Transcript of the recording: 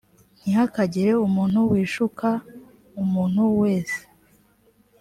ntihakagire umuntu wishuka umuntu wese